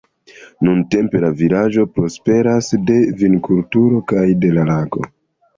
Nuntempe la vilaĝo prosperas de vinkulturo kaj de la lago.